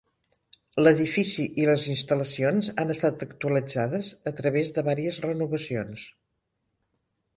L'edifici i les instal·lacions han estat actualitzades a través de vàries renovacions.